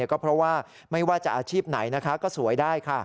ก็เพราะว่าไม่ว่าจะอาชีพไหนก็สวยได้